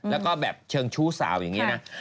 แล้วก็แบบเชิงชู้สาวอย่างนี้นะ